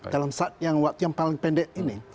dalam saat yang waktu yang paling pendek ini